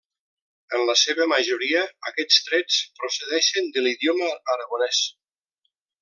En la seva majoria aquests trets procedeixen de l'idioma aragonès.